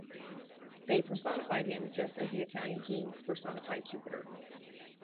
They personified him just as the Italian kings personified Jupiter.